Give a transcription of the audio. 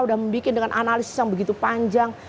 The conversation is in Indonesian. udah membuat dengan analisis yang begitu panjang